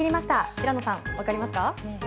平野さんわかりますか？